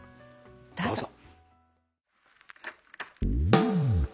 どうぞ。